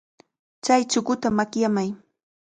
Chay chukuta makyamay.